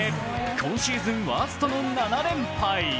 今シーズンワーストの７連敗。